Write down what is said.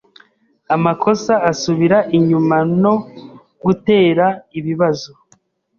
amakosa asubira inyumano gutera ibibazo